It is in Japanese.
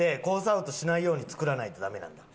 アウトしないように作らないとダメなんだ。